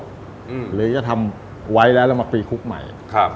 หรือจะทำไว้แล้วแล้วมาตีคุกใหม่ครับ